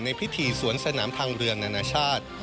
พิธีสวนสนามทางเรือนานาชาติ